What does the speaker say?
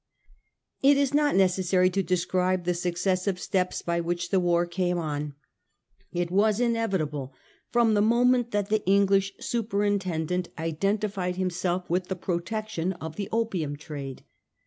It is not necessary to describe the successive steps by which the war came on. It was inevitable from the moment that the English superintendent identi fied himself with the protection of the opium trade.